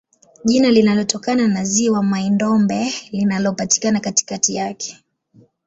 Jina linatokana na ziwa Mai-Ndombe linalopatikana katikati yake.